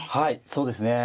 そうですね。